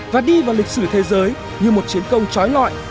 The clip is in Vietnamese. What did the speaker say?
và đi vào lịch sử thế giới như một chiến công trói lọi